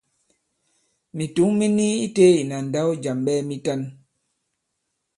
Mìtǔŋ mi ni itē ìna ndǎw jàm ɓɛɛ mitan.